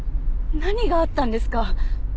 何があったんですか？